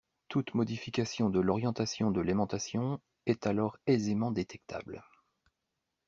Tout modification de l'orientation de l'aimantation est alors aisément détectable.